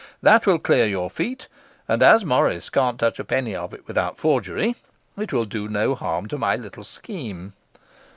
That will clear your feet, and as Morris can't touch a penny of it without forgery, it will do no harm to my little scheme.